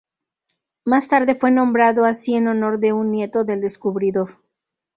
Más tarde fue nombrado así en honor de un nieto del descubridor.